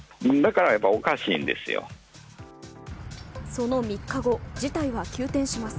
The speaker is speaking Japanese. その３日後事態は急転します。